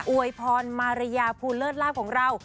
วยพรมารยาภูเลิศลาบของเรา